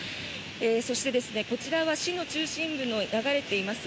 そして、こちらは市の中心部に流れています